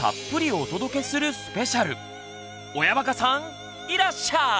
親バカさんいらっしゃい！